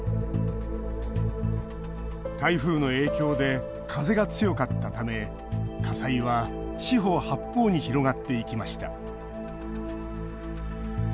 台風の影響で風が強かったため火災は四方八方に広がっていきました。